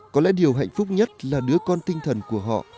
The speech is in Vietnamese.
có lẽ điều hạnh phúc nhất là đứa con tinh thần của họ